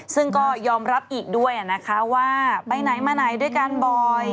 ซึ่งก็ยอมรับอีกด้วยนะคะว่าไปไหนมาไหนด้วยกันบ่อย